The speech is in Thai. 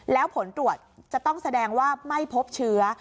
แล้วผลตรวจจะต้องแสดงว่าไม่พบเชื้อ